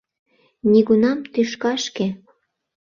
Нигунам тӱшкашке